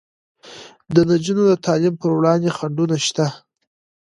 د نجونو د تعلیم پر وړاندې خنډونه شته.